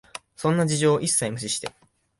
そんな事情を一切無視して、